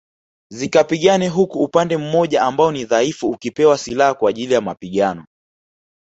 Zikapigane huku upande mmoja ambao ni dhaifu ukipewa silaha kwa ajili ya mapigano